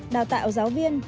đào tạo giáo viên